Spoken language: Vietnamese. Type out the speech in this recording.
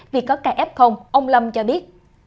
vì có kf ông lâm cho biết